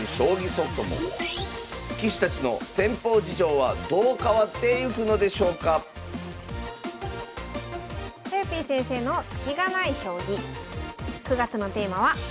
棋士たちの戦法事情はどう変わってゆくのでしょうかとよぴー先生の「スキがない将棋」。